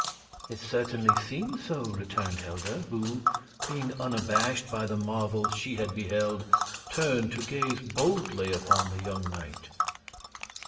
"It certainly seems so," returned Helda, who, being unabashed by the marvels she had beheld, turned to gaze boldly upon the young knight.